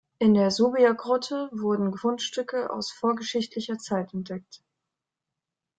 In der Zubia-Grotte wurden Fundstücke aus vorgeschichtlicher Zeit entdeckt.